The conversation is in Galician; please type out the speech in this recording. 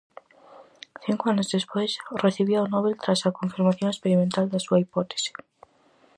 Cinco anos despois, recibía o Nobel tras a confirmación experimental da súa hipótese.